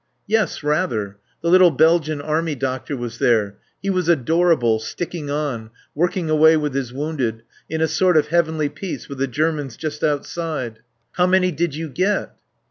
"Yes, rather.... The little Belgian Army doctor was there. He was adorable, sticking on, working away with his wounded, in a sort of heavenly peace, with the Germans just outside." "How many did you get?"